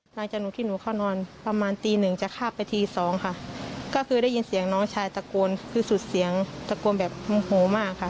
หนูคิดหนูเข้านอนประมาณตีหนึ่งจะข้ามไปทีสองค่ะก็คือได้ยินเสียงน้องชายตะโกนคือสุดเสียงตะโกนแบบโมโหมากค่ะ